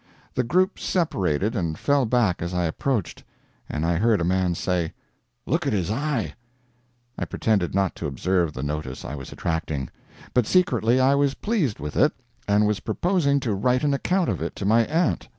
The group separated and fell back as I approached, and I heard a man say, "Look at his eye!" I pretended not to observe the notice I was attracting, but secretly I was pleased with it, and was purposing to write an account of it to my aunt.